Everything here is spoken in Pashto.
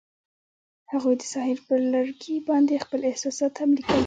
هغوی د ساحل پر لرګي باندې خپل احساسات هم لیکل.